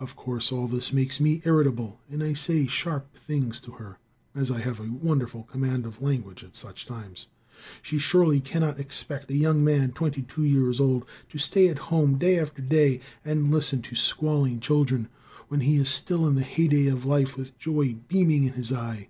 "Of course all this makes me irritable, and I say sharp things to her, as I have a wonderful command of language at such times. She surely cannot expect a young man twenty two years old to stay at home day after day and listen to squalling children, when he is still in the heyday of life with joy beaming in his eye.